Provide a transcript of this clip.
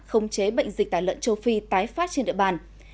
khống chế bệnh dịch tả lợn châu phi tái phát trên địa bàn